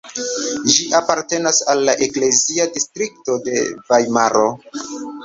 Ĝi apartenas al la eklezia distrikto de Vajmaro.